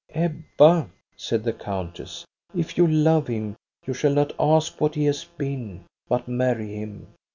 "' Ebba, ' said the countess, ' if you love him you shall not ask what he has been, but marry him.